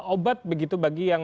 obat begitu bagi yang